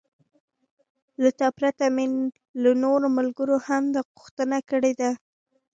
له تا پرته مې له نورو ملګرو هم دا غوښتنه کړې ده.